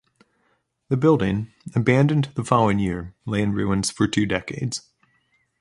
The building, abandoned the following year, lay in ruins for two decades.